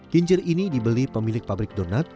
kincir ini dibeli pemilik pabrik donat